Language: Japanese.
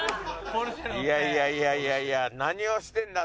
いやいやいやいや何をしてんだって。